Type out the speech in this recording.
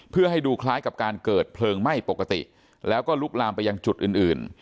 เพื่อให้ดูคล้ายกับการเกิดเพลิงไหม้ปกติแล้วก็ลุกลามไปยังจุดอื่น